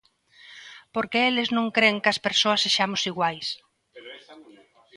Porque eles non cren que as persoas sexamos iguais.